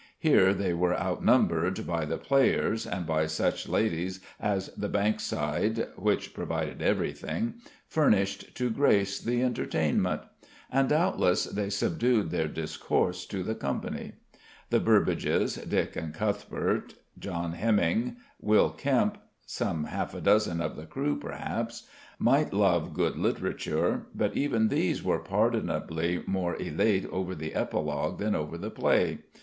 Here they were outnumbered by the players and by such ladies as the Bankside (which provided everything) furnished to grace the entertainment; and doubtless they subdued their discourse to the company. The Burbages, Dick and Cuthbert, John Heminge, Will Kempe some half a dozen of the crew perhaps might love good literature: but even these were pardonably more elate over the epilogue than over the play.